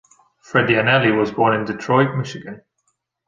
Fredianelli was born in Detroit, Michigan.